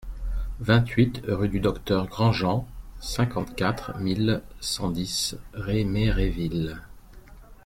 vingt-huit rue du Docteur Grandjean, cinquante-quatre mille cent dix Réméréville